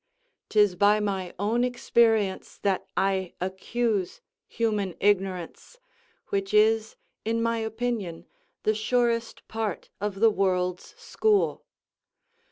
'Tis by my own experience that I accuse human ignorance, which is, in my opinion, the surest part of the world's school.